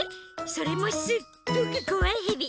それもすっごくこわいヘビ！